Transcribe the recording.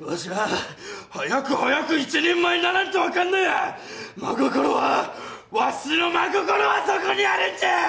わしは早く早く一人前にならんとアカンのや真心はわしの真心はそこにあるんじゃあ！